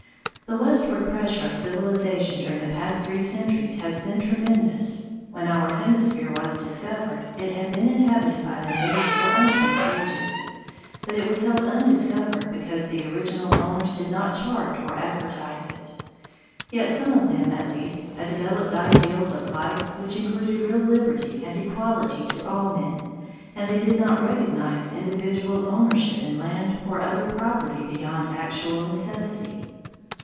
The westward pressure of civilization during the past three centuries has been tremendous. When our hemisphere was "discovered", it had been inhabited by the natives for untold ages, but it was held undiscovered because the original owners did not chart or advertise it. Yet some of them at least had developed ideals of life which included real liberty and equality to all men, and they did not recognize individual ownership in land or other property beyond actual necessity.